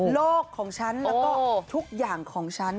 ของฉันแล้วก็ทุกอย่างของฉัน